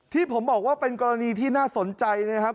ที่ผมบอกว่าเป็นกรณีที่น่าสนใจนะครับ